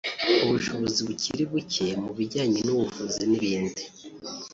ubushobozi bukiri bucye mu bijyanye n’ubuvuzi n’ibindi